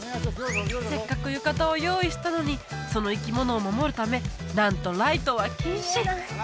せっかく浴衣を用意したのにその生き物を守るためなんとライトは禁止